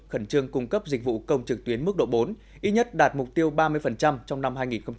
khẩn trương cung cấp dịch vụ công trực tuyến mức độ bốn ít nhất đạt mục tiêu ba mươi trong năm hai nghìn hai mươi